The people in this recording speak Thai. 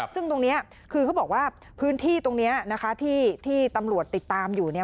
ซึ่งตรงนี้คือเขาบอกว่าพื้นที่ตรงนี้นะคะที่ตำรวจติดตามอยู่เนี่ย